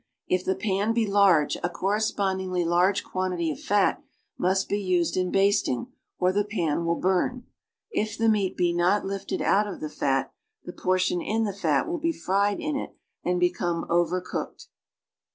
If the pan be large, a correspondingly large cjuantity of fat must be used in basting or the pan will burn. If the meat be not lifted out of the fat, the portion in the fat will be fried in it and become o\er cooked.